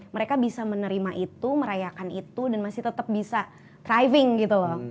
mereka bisa menerima itu merayakan itu dan masih tetap bisa driving gitu loh